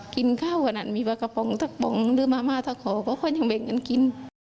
กินข้าวกว่านั้นมีปลากระป๋องตักป๋องหรือมาม่าตักห่อก็ค่อยยังเบ่งกันกิน